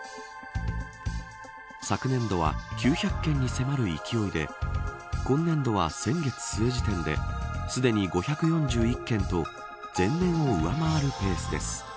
昨年度は９００件に迫る勢いで今年度は、先月末時点ですでに５４１件と前年を上回るペースです。